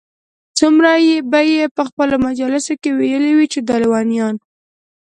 څومره به ئې په خپلو مجالسو كي ويلي وي چې دا ليونيان